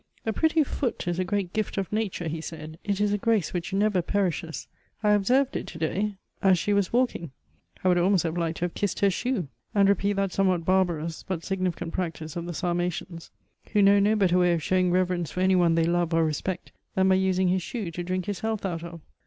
" A* pretty foot is a great gift of nature," he said. " It is a grace which never perishes. I observed it to day, 'js she was walking. I should almost have liked to have kissed her shoe, and repeat that somewhat barbarous but significant practice of the Sarmatians, who know no better way of showing reverence for any one they love or re spect, than by using his shoe to drink his health out of."